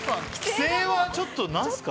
奇声はちょっと何すか？